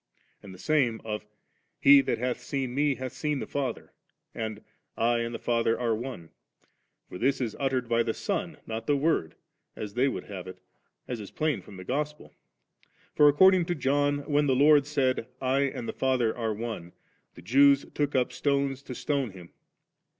And the same of *He that hadi seen Me, hath seen the Father,' and * I and the Father are On^' for this is ottered by the Son, not the Word, as they would have it, as is plain from the Gospel; for according to John when the Lord said, ' I and Ae Father are One,' the Jews took up stones to stone Him.